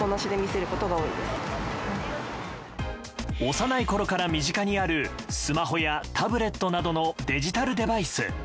幼いころから身近にあるスマホやタブレットなどのデジタルデバイス。